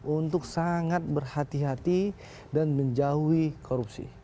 untuk sangat berhati hati dan menjauhi korupsi